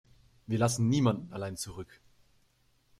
Wir lassen niemanden allein zurück.